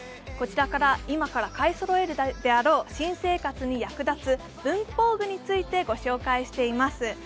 こちらから、今から買いそろえるであろう、新生活に役立つ文房具について御紹介しています。